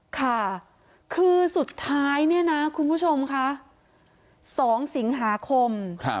ค่ะคือสุดท้ายเนี่ยนะคุณผู้ชมค่ะ๒สิงหาคม